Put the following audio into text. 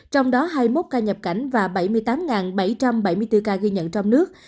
trong đó hai mươi một ca nhập cảnh và bảy mươi tám bảy trăm bảy mươi bốn ca ghi nhận trong nước